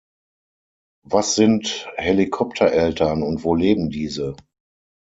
Was sind Helikoptereltern und wo leben diese?